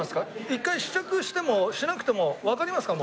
一回試着してもしなくてもわかりますか？